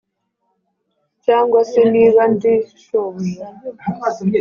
Cyangwa se niba ndi shobuja